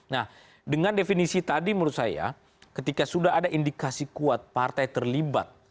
nah dengan definisi tadi menurut saya ketika sudah ada indikasi kuat partai terlibat